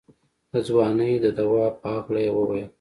د ځوانۍ د دوا په هکله يې وويل.